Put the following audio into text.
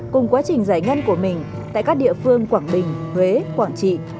cùng quá trình giải ngân của mình tại các địa phương quảng bình huế quảng trị